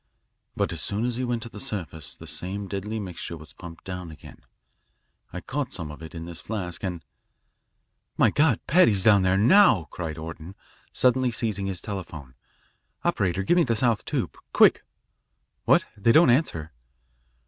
But as soon as he went to the surface, the same deadly mixture was pumped down again I caught some of it in this flask, and " "My God, Paddy's down there now," cried Orton, suddenly seizing his telephone. "Operator, give me the south tube quick what they don't answer?"